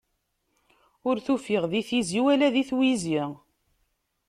Ur t-ufiɣ di tizi, wala di tiwizi.